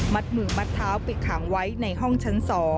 มือมัดเท้าไปขังไว้ในห้องชั้น๒